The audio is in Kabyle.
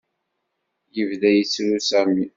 Yebda yettru Sami.